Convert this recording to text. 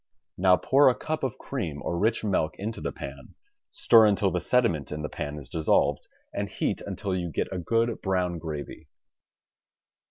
Now pour a cup of cream or rich milk into the pan, stir until the sediment in the pan is dissolved, and heat until you get a good brown gravy.